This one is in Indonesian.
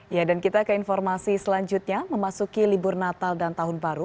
ya dan kita ke informasi selanjutnya memasuki libur natal dan tahun baru